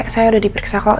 saya udah diperiksa kok